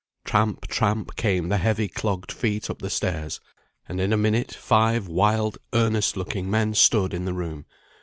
Tramp, tramp, came the heavy clogged feet up the stairs; and in a minute five wild, earnest looking men stood in the room.